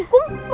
aku mau lanjut